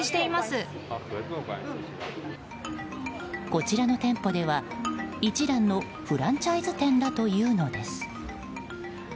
こちらの店舗では、一蘭のフランチャイズ店だというのです。